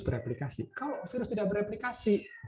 bereplikasi kalau virus tidak bereplikasi